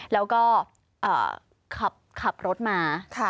แล้วก็ขับรถมา